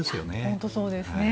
本当にそうですね。